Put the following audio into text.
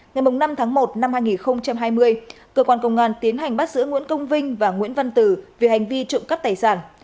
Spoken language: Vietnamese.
ngày năm tháng một năm hai nghìn hai mươi cơ quan công an tiến hành bắt giữ nguyễn công vinh và nguyễn văn tử về hành vi trộm cắp tài sản